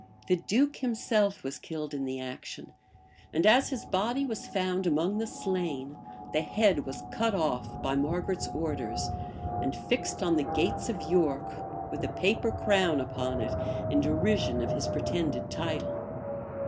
The duke himself was killed in the action; and as his body was found among the slain, the head was cut off by Margaret's orders, and fixed on the gates of York, with a paper crown upon it, in derision of his pretended title.